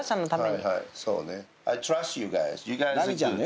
そうね。